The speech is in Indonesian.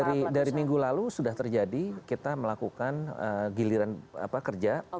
jadi memang dari minggu lalu sudah terjadi kita melakukan giliran kerja